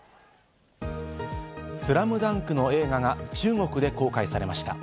『ＳＬＡＭＤＵＮＫ』の映画が中国で公開されました。